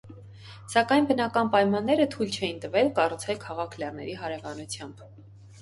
Սակայն բնական պայմանները թույլ չէին տվել կառուցել քաղաք լեռների հարևանությամբ։